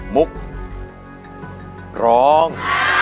มุกร้อง